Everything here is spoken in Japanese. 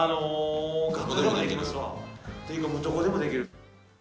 楽屋でもできますわ、というかどこでもできる。